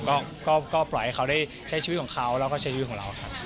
ก็ปล่อยให้เขาได้ใช้ชีวิตของเขาแล้วก็ใช้ชีวิตของเราครับ